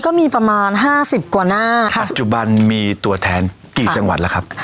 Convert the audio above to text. ก็มีประมาณห้าสิบกว่าหน้าค่ะปัจจุบันมีตัวแทนกี่จังหวัดแล้วครับ